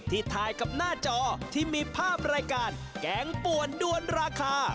ที่ถ่ายกับหน้าจอที่มีภาพรายการแกงป่วนด้วนราคา